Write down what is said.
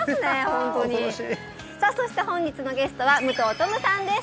ホントにハハハ恐ろしいさあそして本日のゲストは武藤十夢さんです